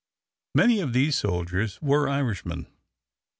Many of these soldiers were Irishmen.